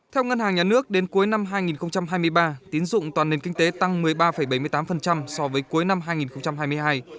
theo ngân hàng nhà nước đến cuối năm hai nghìn hai mươi ba tín dụng toàn nền kinh tế tăng một mươi ba bảy mươi tám so với cuối năm hai nghìn hai mươi hai